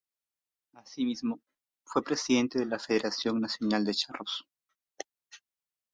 Asimismo, fue presidente de la Federación Nacional de Charros.